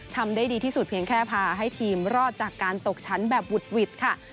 ทำได้ดีที่สุดเพียงแค่พาให้ทีมรอดจากการตกชั้นแบบวุดหวิดค่ะ